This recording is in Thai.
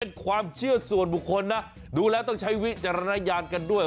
เป็นความเชื่อส่วนบุคคลนะดูแล้วต้องใช้วิจารณญาณกันด้วย